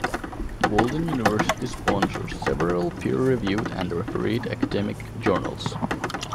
Walden University sponsors several peer-reviewed and refereed academic journals.